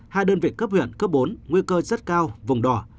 hai đơn vị cấp huyện cấp bốn nguy cơ rất cao vùng đỏ